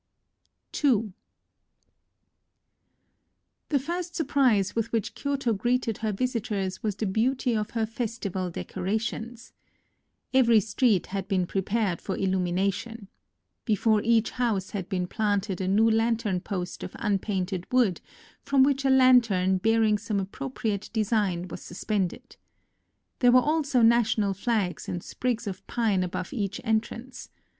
II The first surprise with which Kyoto greeted her visitors was the beauty of her festival decorations. Every street had been prepared for illumination. Before each house had been planted a new lantern post of unpainted wood, from which a lantern bearing some appropri ate design was suspended. There were also national flags and sprigs of pine above each entrance.